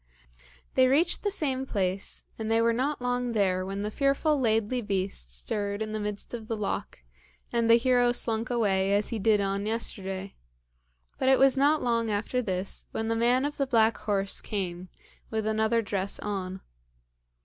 They reached the same place, and they were not long there when the fearful Laidly Beast stirred in the midst of the loch, and the hero slunk away as he did on yesterday, but it was not long after this when the man of the black horse came, with another dress on.